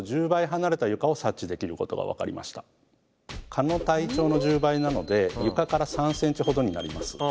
蚊の体長の１０倍なので床から３ｃｍほどになります。